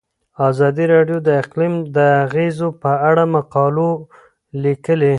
ازادي راډیو د اقلیم د اغیزو په اړه مقالو لیکلي.